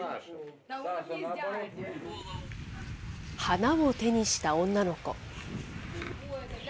花を手にした女の子。